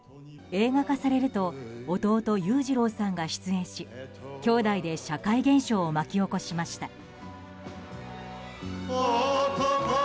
映画化されると弟・裕次郎さんが出演し兄弟で社会現象を巻き起こしました。